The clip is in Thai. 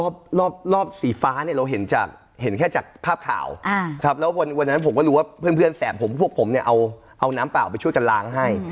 รอบรอบสีฟ้าเนี่ยเราเห็นจากเห็นแค่จากภาพข่าวครับแล้ววันนั้นผมก็รู้ว่าเพื่อนแฝดผมพวกผมเนี่ยเอาน้ำเปล่าไปช่วยกันล้างให้